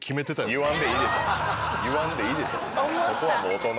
言わんでいいでしょそこは。